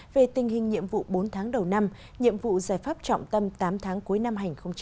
về tình hình nhiệm vụ bốn tháng đầu năm nhiệm vụ giải pháp trọng tâm tám tháng cuối năm hai nghìn hai mươi